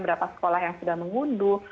berapa sekolah yang sudah mengunduh